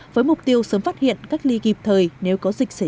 với mục tiêu sớm phát hiện cách ly kịp thời nếu có dịch xảy ra